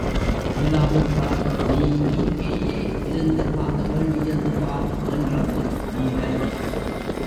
இல்லாவிட்டால் நீ இங்கேயே இருந்து சாக வேண்டியதுதான் என்றது வீரன்.